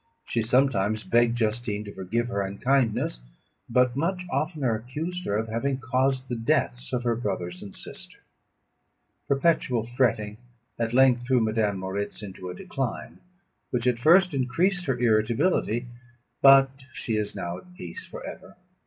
She sometimes begged Justine to forgive her unkindness, but much oftener accused her of having caused the deaths of her brothers and sister. Perpetual fretting at length threw Madame Moritz into a decline, which at first increased her irritability, but she is now at peace for ever.